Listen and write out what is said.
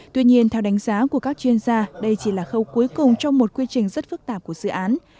tuy nhiên theo đánh giá của các chuyên gia đây chỉ là khâu cuối cùng trong một quy trình rất phức tạp của dự án